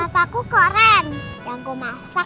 papaku keren jangan gue masak